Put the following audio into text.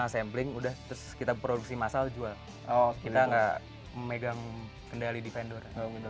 sampling udah terus kita produksi masal jual kita nggak memegang kendali defender